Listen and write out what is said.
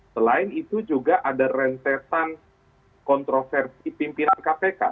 selain itu juga ada rentetan kontroversi pimpinan kpk